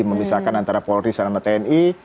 memisahkan antara polri sama tni